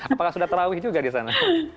apakah sudah terawih juga disana